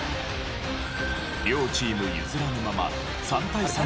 両チーム譲らぬまま３対３で延長戦に。